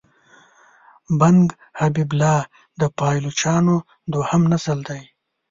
بنګ حبیب الله د پایلوچانو دوهم نسل دی.